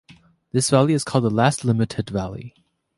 This valley is called the last limited valley.